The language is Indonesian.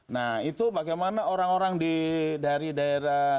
nah itu bagaimana orang orang di dari daerah jawa timur